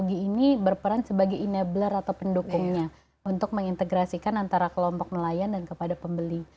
gigi ini berperan sebagai enabler atau pendukungnya untuk mengintegrasikan antara kelompok nelayan dan kepada pembeli